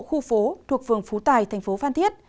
khu phố thuộc phường phú tài thành phố phan thiết